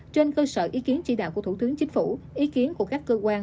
trên cơ sở ý kiến chỉ đạo của thủ tướng chính phủ ý kiến của các cơ quan